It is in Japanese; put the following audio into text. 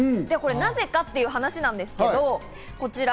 なぜかという話なんですけど、こちら。